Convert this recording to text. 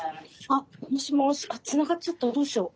あっもしもしあっつながっちゃったどうしよう。